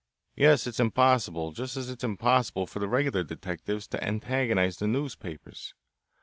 "Yes, it's impossible, just as it is impossible for the regular detectives to antagonize the newspapers.